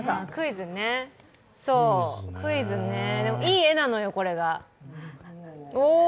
クイズね、いい絵なのよ、これが。